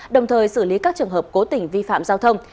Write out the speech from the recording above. đồng thời xử lý các trường hợp cố tình vi phạm giao thông